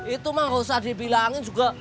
itu mah gak usah dibilangin juga